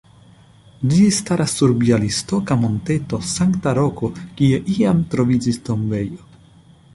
Ĝi staras sur bjalistoka monteto Sankta Roko kie iam troviĝis tombejo.